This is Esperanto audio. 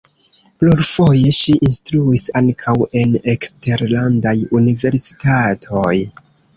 Plurfoje ŝi instruis ankaŭ en eksterlandaj universitatoj.